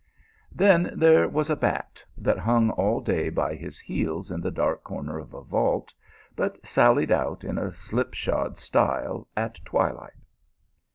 Then there was a bat, that hung all day by his heels in the dark corner of a vault, but sallied out in a slip shod style at twilight.